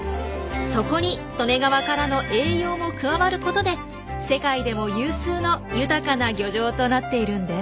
そこに利根川からの栄養も加わることで世界でも有数の豊かな漁場となっているんです。